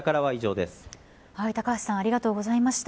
高橋さんありがとうございました。